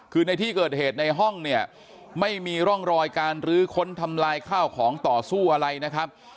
คือในที่เกิดเหตุในห้องเนี่ยไม่มีร่องรอยการรื้อค้นทำลายข้าวของต่อสู้อะไรนะครับ